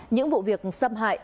những vụ việc xâm hại